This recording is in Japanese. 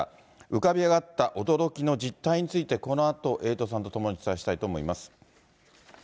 浮かび上がった驚きの実態について、このあとエイトさんと共にお伝えしたいと思います。